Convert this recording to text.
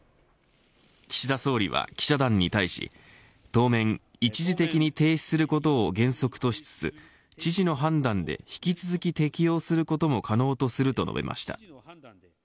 岸田総理は記者団に対し当面、一時的に停止することを原則としつつ知事の判断で引き続き適用することも可能とすると述べました。